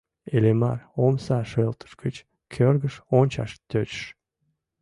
Иллимар омса шелтыш гыч кӧргыш ончаш тӧчыш.